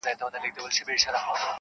درز به واچوي سينو کي -